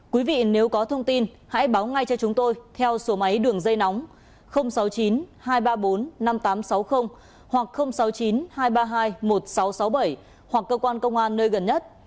quý vị nếu có thông tin hãy báo ngay cho chúng tôi theo số máy đường dây nóng sáu mươi chín hai trăm ba mươi bốn năm nghìn tám trăm sáu mươi hoặc sáu mươi chín hai trăm ba mươi hai một nghìn sáu trăm sáu mươi bảy hoặc cơ quan công an nơi gần nhất